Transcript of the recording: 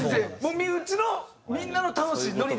身内のみんなの楽しいノリだけでやったと。